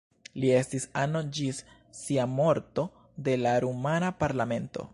Li estis ano ĝis sia morto de la rumana parlamento.